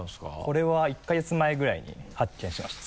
これは１か月前ぐらいに発見しました。